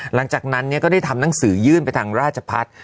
หลังจากนั้นก็ได้ทำหนังสือยื่นไปทางราชพัฒน์